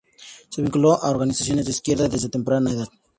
Se vinculó a organizaciones de izquierda desde temprana edad.